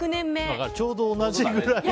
だからちょうど同じぐらいだ。